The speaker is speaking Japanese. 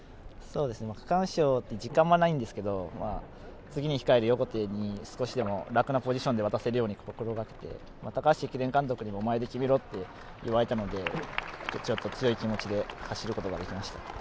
区間賞って実感あんまないんですけど次に控える横手に、少しでも楽なポジションで渡せるように心掛けて高橋駅伝監督にもお前で決めろと言われたのでちょっと強い気持ちで走ることができました。